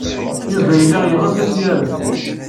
Yuba yella yeɣs ad tt-yarem.